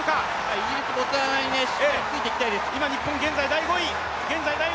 イギリス、ボツワナにしっかりついていきたいです。